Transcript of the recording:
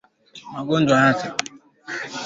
Magonjwa yanayosababisha mimba kutoka